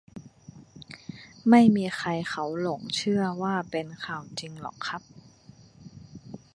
ไม่มีใครเขาหลงเชื่อว่า เป็นข่าวจริงหรอกครับ